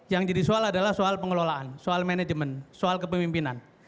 yang jadi soal adalah soal pengelolaan soal manajemen soal kepemimpinan